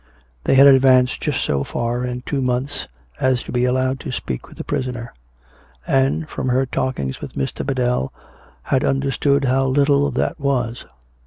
They had advanced just so far in two months as to be allowed to speak with the prisoner; and, from her talkings with Mr. Biddell, had imderstood how little that was.